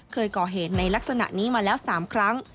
เคยก่อเหตุในลักษณะนี้มาแล้ว๓ครั้ง